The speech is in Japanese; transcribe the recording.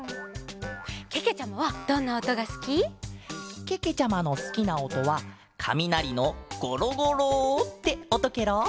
けけちゃまはどんなおとがすき？けけちゃまのすきなおとはかみなりのゴロゴロっておとケロ！